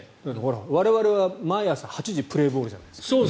我々は毎朝８時プレーボールですから。